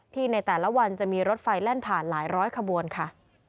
ในแต่ละวันจะมีรถไฟแล่นผ่านหลายร้อยขบวนค่ะ